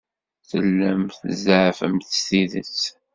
Tellamt tzeɛfemt s tidet?